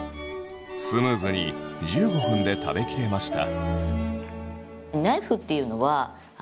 スムーズに１５分で食べきれました。